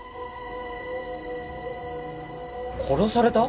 殺された！？